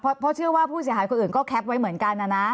เพราะเชื่อว่าผู้เสียหายคนอื่นก็แคปไว้เหมือนกันนะนะ